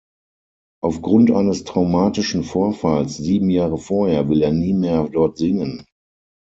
Auf Grund eines traumatischen Vorfalls sieben Jahre vorher will er nie mehr dort singen.